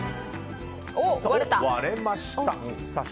割れました。